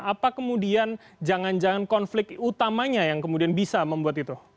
apa kemudian jangan jangan konflik utamanya yang kemudian bisa membuat itu